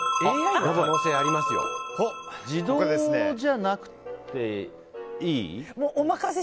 自動じゃなくていい？